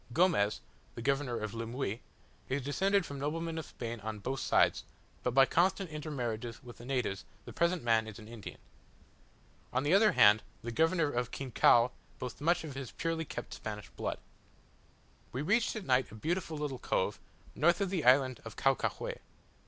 Gomez, the governor of Lemuy, is descended from noblemen of Spain on both sides; but by constant intermarriages with the natives the present man is an Indian. On the other hand the governor of Quinchao boasts much of his purely kept Spanish blood. We reached at night a beautiful little cove, north of the island of Caucahue.